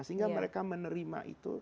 sehingga mereka menerima itu